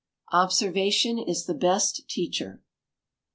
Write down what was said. [OBSERVATION IS THE BEST TEACHER.